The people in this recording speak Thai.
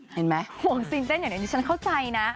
เห็นไหมห่วงซีนเต้นอย่างเดียวฉันเข้าใจนะ